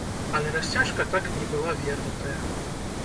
Але расцяжка так і не была вернутая.